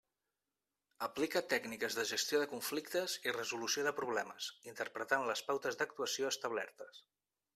Aplica tècniques de gestió de conflictes i resolució de problemes, interpretant les pautes d'actuació establertes.